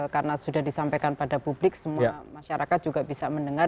karena sudah disampaikan pada publik semua masyarakat juga bisa mendengar